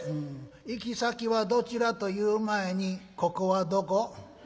「行き先はどちらという前にここはどこ？」。